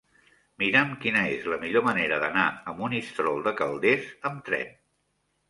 Mira'm quina és la millor manera d'anar a Monistrol de Calders amb tren.